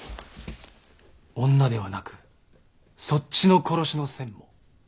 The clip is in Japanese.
女ではなくそっちの殺しの線も？